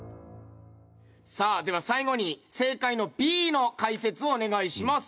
さあでは最後に正解のＢの解説をお願いします。